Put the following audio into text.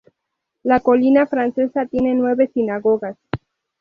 La Colina Francesa tiene nueve sinagogas.